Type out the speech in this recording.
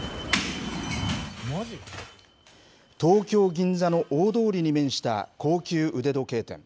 東京・銀座の大通りに面した高級腕時計店。